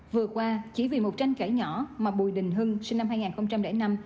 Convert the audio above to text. vừa qua chỉ vì một tranh cãi nhỏ mà bùi đình hưng sinh năm hai nghìn năm